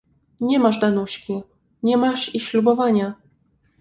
"Nie masz Danuśki, nie masz i ślubowania."